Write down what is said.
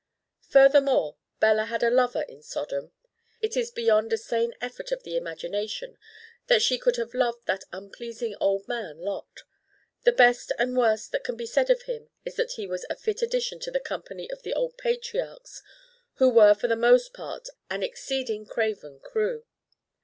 Furthermore Bella had a lover in Sodom. It is beyond a sane effort of the imagination that she could have loved that unpleasing old man Lot. The best and worst that can be said of him is that he was a fit addition to the company of the old Patriarchs who were for the most part an exceeding craven crew.